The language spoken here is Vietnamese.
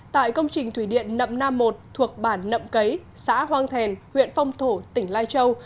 tại công trình thủy điện nậm nam một thuộc bản nậm cấy xã hoang thèn huyện phong thổ tỉnh lai châu